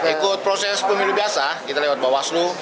ikut proses pemilu biasa kita lewat bawaslu